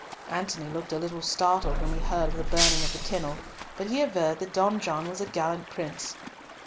Antony looked a little startled when he heard of the burning of the kennel, but he averred that Don John was a gallant prince.